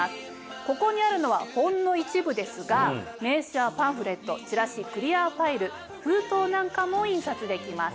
ここにあるのはほんの一部ですが名刺やパンフレットチラシクリアファイル封筒なんかも印刷できます。